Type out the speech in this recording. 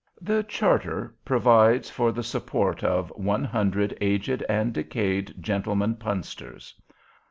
The Charter provides for the support of "One hundred aged and decayed Gentlemen Punsters."